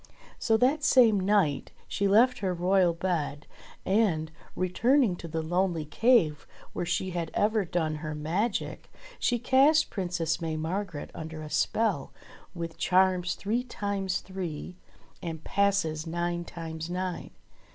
So that same night she left her royal bed, and, returning to the lonely cave where she had ever done her magic, she cast Princess May Margret under a spell with charms three times three, and passes nine times nine.